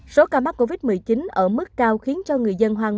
số ca mắc covid một mươi chín ở mức cao khiến cho người dân hoang mang